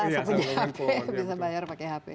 seperti hp bisa bayar pakai hp